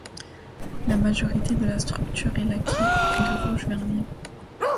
La majorité de la structure est laquée de rouge vermillon.